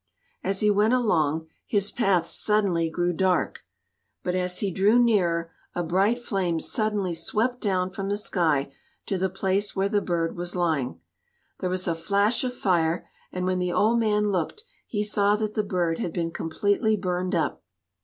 As he went along, his path suddenly grew dark, but as he drew nearer, a bright flame suddenly swept down from the sky to the place where the bird was lying. There was a flash of fire, and when the old man looked he saw that the bird had been completely burned up.